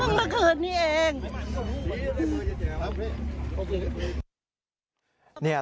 เพิ่งเมื่อเกิดนี่เอง